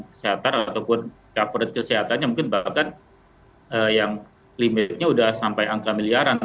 kesehatan ataupun coverate kesehatannya mungkin bahkan yang limitnya sudah sampai angka miliaran